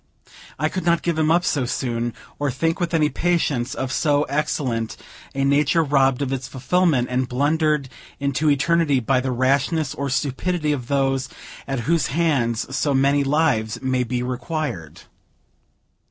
I could not give him up so soon, or think with any patience of so excellent a nature robbed of its fulfillment, and blundered into eternity by the rashness or stupidity of those at whose hands so many lives may be required.